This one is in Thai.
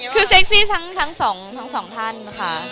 คือเซ็กซี่ทั้งสองท่านค่ะ